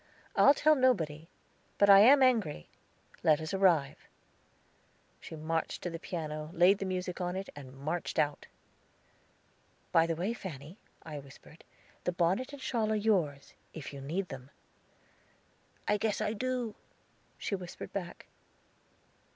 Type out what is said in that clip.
"I'll tell nobody, but I am angry. Let us arrive." She marched to the piano, laid the music on it, and marched out. "By the way, Fanny," I whispered, "the bonnet and shawl are yours, if you need them." "I guess I do," she whispered back.